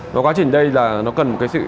và quá trình đây là nó cần